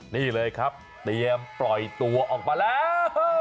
นี่เลยครับเตรียมปล่อยตัวออกมาแล้ว